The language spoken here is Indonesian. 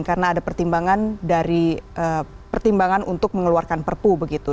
karena ada pertimbangan dari pertimbangan untuk mengeluarkan perpu begitu